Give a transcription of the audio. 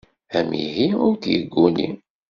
Amihi ur k-yegguni.